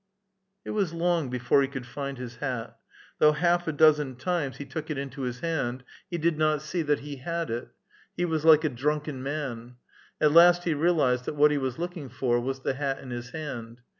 It was long before he could find his hat. Though half a dozen times he took it into his hand, he did not see that he 8 A VITAL QUESTION. had it. He was like a dninken man. At last he realized that what he was lookiDg for was the hat iu his hand.